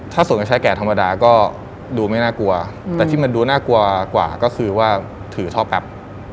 ถ้าส่วนการใช้แก่ธรรมดาก็ดูไม่น่ากลัวแต่ที่มันดูน่ากลัวกว่าก็คือว่าถือท่อแป๊บ